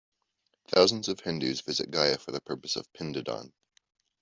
Thousands of Hindus visit Gaya for the purpose of "pindadan".